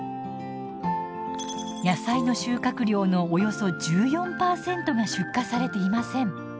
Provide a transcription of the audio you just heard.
野菜の収穫量のおよそ１４％が出荷されていません。